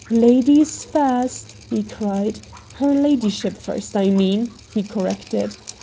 "Ladies first!" he cried. "Her ladyship first, I mean," he corrected.